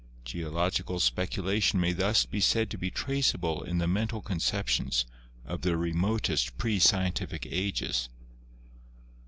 Geological speculation may thus be said to be traceable in the mental conceptions of the remotest pre scientific ages.